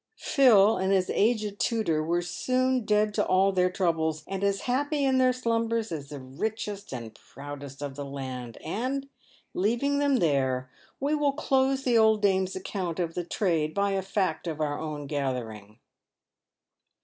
Phil and his aged tutor were soon dead to all their troubles, and as happy in their slumbers as the richest and proudest of the land ; and, leaving them there, we will close the old dame's account of the trade by a fact of our own gathering.